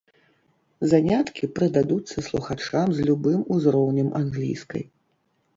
Заняткі прыдадуцца слухачам з любым узроўнем англійскай.